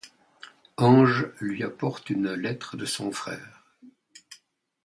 Ange lui apporte une lettre de son frère.